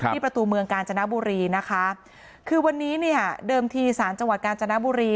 ประตูเมืองกาญจนบุรีนะคะคือวันนี้เนี่ยเดิมทีสารจังหวัดกาญจนบุรี